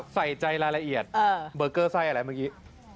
ใส่ใจรายละเอียดเบอร์เกอร์ไส้อะไรเมื่อกี้